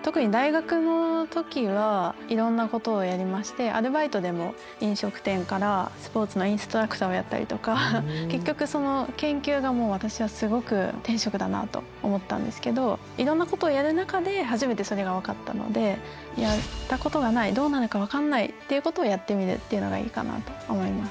特にアルバイトでも飲食店からスポーツのインストラクターをやったりとか結局その研究がもう私はすごく天職だなと思ったんですけどいろんなことをやる中で初めてそれが分かったのでやったことがないどうなるか分かんないっていうことをやってみるっていうのがいいかなと思います。